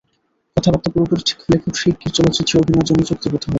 কথাবার্তা পুরোপুরি ঠিক হলে খুব শিগগির চলচ্চিত্রে অভিনয়ের জন্য চুক্তিবদ্ধ হব।